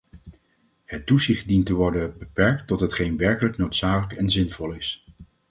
Het toezicht dient te worden beperkt tot hetgeen werkelijk noodzakelijk en zinvol is.